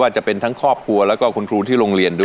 จะเป็นทั้งครอบครัวแล้วก็คุณครูที่โรงเรียนด้วย